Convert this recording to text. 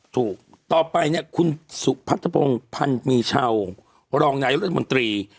ต่อไปเนี่ยคุณสุพัทธพงศ์พันมีเช่ารองนายรัฐมนตรี